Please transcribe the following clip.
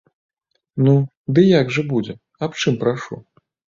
Ну, ды як жа будзе, аб чым прашу?